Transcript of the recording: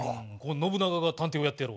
信長が探偵をやってやろう。